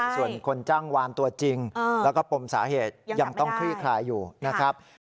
ส่วนคนจ้างวานตัวจริงแล้วก็ปมสาเหตุยังต้องคลี่คลายอยู่นะครับ